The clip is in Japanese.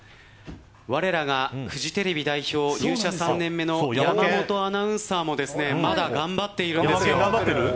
われらがフジテレビ代表入社３年目の山本アナウンサーもですねまだ頑張っているんですよ。